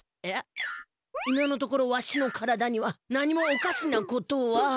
いや今のところわしの体には何もおかしなことは。